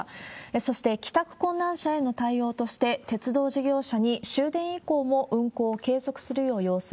そして帰宅困難者への対応として、鉄道事業者に終電以降も運行を継続するよう要請。